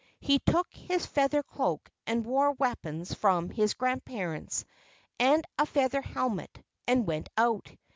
He took his feather cloak and war weapons from his grandparents, and feather helmet, and went out.